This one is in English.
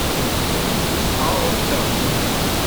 Hour of Terce.